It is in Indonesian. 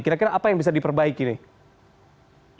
kira kira apa yang bisa diperbaiki nih